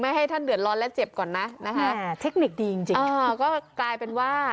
ให้ท่านเดือดร้อนและเจ็บก่อนนะนะคะเทคนิคดีจริงจริงมันก็กลายเป็นว่า